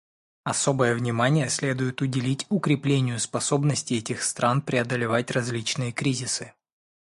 Особое внимание следует уделить укреплению способности этих стран преодолевать различные кризисы.